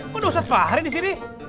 kok dosen pari disini